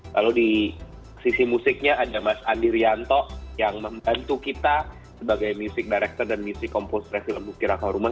lalu di sisi musiknya ada mas andi rianto yang membantu kita sebagai music director dan misi kompostra film bukira khoruman